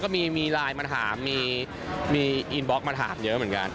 ก็มีไลน์มาถามมีอินบล็อกมาถามเยอะเหมือนกัน